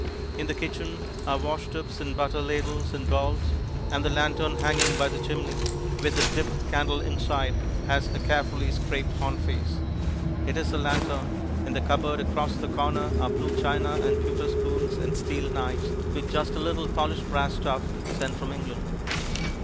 In the kitchen are washtubs and butter ladles and bowls; and the lantern hanging by the chimney, with a dipped candle inside, has a carefully scraped horn face. It is a lanthorn. In the cupboard across the corner are blue china and pewter spoons and steel knives, with just a little polished brass stuff sent from England.